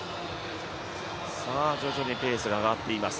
徐々にペースが上がっています。